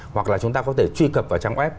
hoặc là chúng ta có thể truy cập vào trang web